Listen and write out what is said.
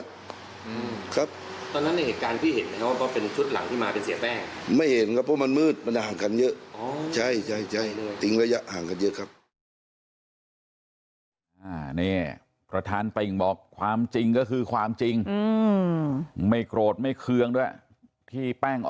ในเหตุการณ์พี่เห็นไหมครับว่าเป็นชุดหลังที่มาเป็นเสียแป้ง